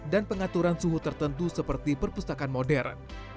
dan pengaturan suhu tertentu seperti perpustakaan modern